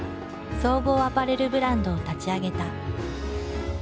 総合アパレルブランドを立ち上げた。